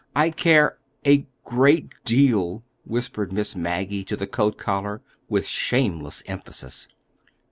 "I care—a great deal," whispered Miss Maggie to the coat collar, with shameless emphasis.